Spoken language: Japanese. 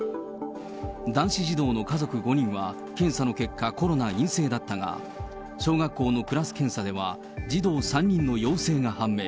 男子児童の家族５人は、検査の結果、コロナ陰性だったが、小学校のクラス検査では、児童３人の陽性が判明。